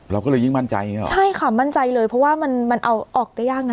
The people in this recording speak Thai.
เราก็เลยยิ่งมั่นใจอย่างนี้หรอใช่ค่ะมั่นใจเลยเพราะว่ามันมันเอาออกได้ยากนะ